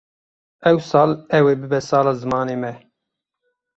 Ev sal ew ê bibe sala zimanê me.